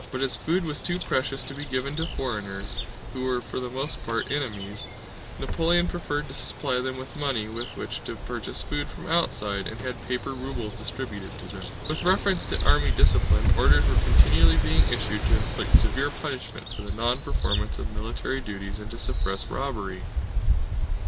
But as food was too precious to be given to foreigners, who were for the most part enemies, Napoleon preferred to supply them with money with which to purchase food from outside, and had paper rubles distributed to them." With reference to army discipline, orders were continually being issued to inflict severe punishment for the nonperformance of military duties and to suppress robbery.